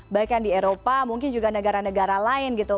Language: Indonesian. baiknya di eropa mungkin juga negara negara lain gitu